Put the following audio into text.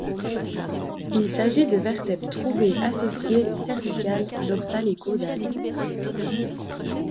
Il s'agit de vertèbres trouvées associées, cervicales, dorsales et caudales.